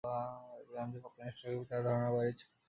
গ্রাম যে এত ইন্টারেস্টিং হবে, তা তার ধারণার বাইরে ছিল।